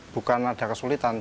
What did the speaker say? bukan ada kesulitan